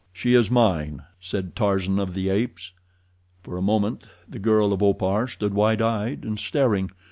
"She is mine," said Tarzan of the Apes. For a moment the girl of Opar stood wide eyed and staring.